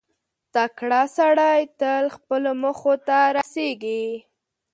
• تکړه سړی تل خپلو موخو ته رسېږي.